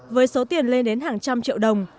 với số tiền lên đến hàng trăm triệu đồng